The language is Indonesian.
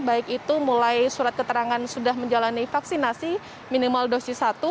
baik itu mulai surat keterangan sudah menjalani vaksinasi minimal dosis satu